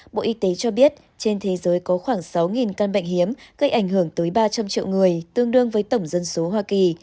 bộ y tế cho biết trên thế giới có khoảng sáu căn bệnh hiếm gây ảnh hưởng tới ba trăm linh triệu người tương đương với tổng dân số hoa kỳ